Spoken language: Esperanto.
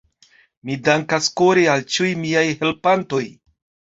Mi dankas kore al ĉiuj miaj helpantoj.